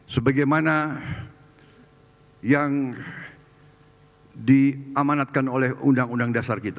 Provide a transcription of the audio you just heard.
sebagaimana yang diamanatkan oleh undang undang dasar kita